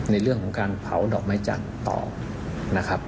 ในเรื่องของการเผาดอกไม้จันทร์ต่อนะครับ